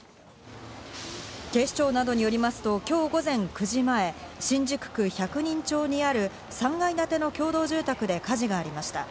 警視庁などによりますと今日午前９時前、新宿区百人町にある３階建ての共同住宅で火事がありました。